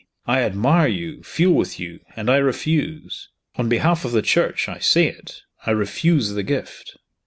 I admire you, feel with you; and I refuse. On behalf of the Church, I say it I refuse the gift."